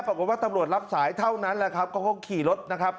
ปรากฏว่าตำรวจรับสายเท่านั้นแหละครับเขาก็ขี่รถนะครับ